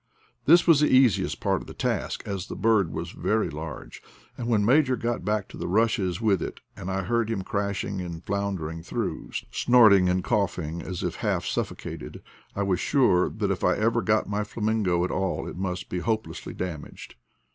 This was the easiest part of the task, as the bird was very large, and when Major got back to the rushes with it, and I heard him crashing and floundering through, snorting and coughing as if half suffo cated, I was sure that if I ever got my flamingo at all it must be hopelessly damaged.